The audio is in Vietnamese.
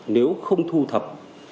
nếu không thu thập